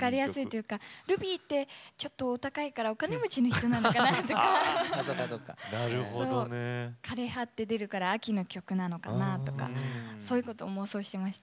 ルビーってちょっと高いからお金持ちの人の話なのかなと思ったり枯れ葉と出る、から秋の曲なのかなと思ったりそういうことを妄想していました。